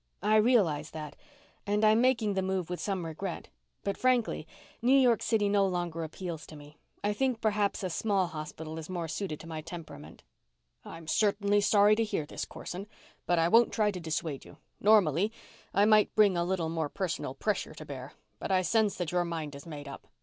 "I realize that, and I'm making the move with some regret. But, frankly, New York City no longer appeals to me. I think perhaps a small hospital is more suited to my temperament." "I'm certainly sorry to hear this, Corson. But I won't try to dissuade you. Normally, I might bring a little more personal pressure to bear, but I sense that your mind is made up.